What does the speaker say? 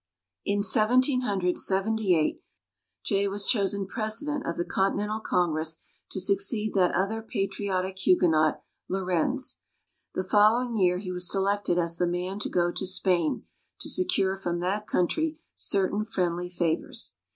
In Seventeen Hundred Seventy eight, Jay was chosen president of the Continental Congress to succeed that other patriotic Huguenot, Laurens. The following year he was selected as the man to go to Spain, to secure from that country certain friendly favors.